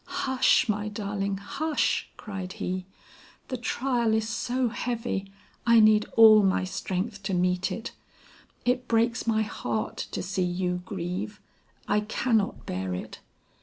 "Hush! my darling, hush!" cried he. "The trial is so heavy, I need all my strength to meet it. It breaks my heart to see you grieve. I cannot bear it.